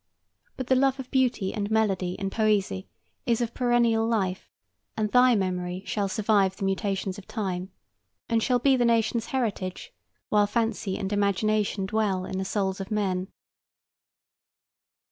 But the love of beauty and melody in poesy is of perennial life, and thy memory shall survive the mutations of time, and shall be the Nation's heritage while fancy and imagination dwell in the souls of men.